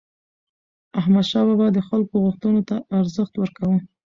احمدشاه بابا د خلکو غوښتنو ته ارزښت ورکاوه.